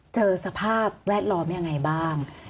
สภาพแวดล้อมยังไงบ้าง